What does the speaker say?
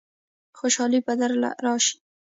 خوشالۍ به درله رايشي.